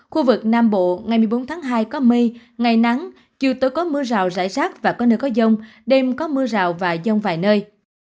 khu vực nam bộ ngày một mươi bốn tháng hai có mây ngày nắng chiều tối có mưa rào rải rác và có nơi có dông đêm có mưa rào và dông vài nơi